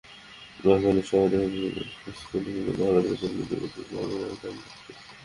রাজধানীসহ দেশের বিভিন্ন স্কুলে শিক্ষার্থীদের হঠাৎ বেতন বৃদ্ধির প্রতিবাদে অভিভাবকেরা আন্দোলন করছেন।